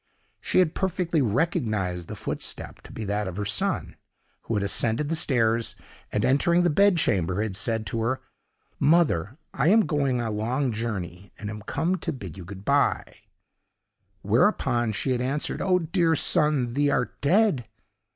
She had perfectly recognised the footstep to be that of her son, who had ascended the stairs, and entering the bed chamber, had said to her, 'Mother, I am going a long journey, and am come to bid you good by;' whereupon she had answered, 'Oh, dear son, thee art dead!